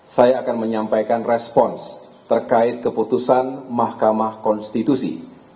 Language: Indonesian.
saya akan menyampaikan respons terkait keputusan mahkamah konstitusi